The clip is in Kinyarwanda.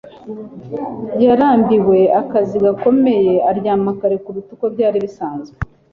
Yarambiwe akazi gakomeye aryama kare kuruta uko byari bisanzwe